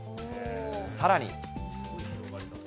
さらに。